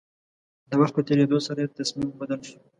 د وخت په تېرېدو سره يې تصميم بدل شو.